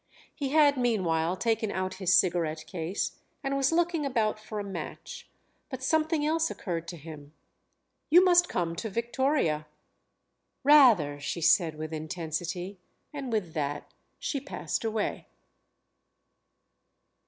He had meanwhile taken out his cigarette case and was looking about for a match. But something else occurred to him. "You must come to Victoria." "Rather!" she said with intensity; and with that she passed away.